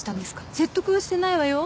説得はしてないわよ。